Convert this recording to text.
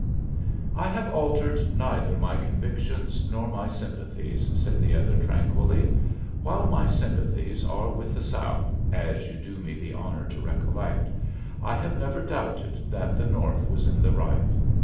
"I have altered neither my convictions nor my sympathies," said the other, tranquilly. "While my sympathies are with the South, as you do me the honor to recollect, I have never doubted that the North was in the right.